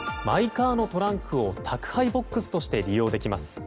マイカーのトランクを宅配ボックスとして利用できます。